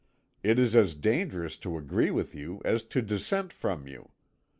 "It is as dangerous to agree with you as to dissent from you.